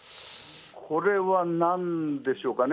これはなんでしょうかね。